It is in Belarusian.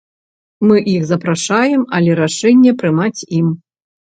Мы іх запрашаем, але рашэнне прымаць ім.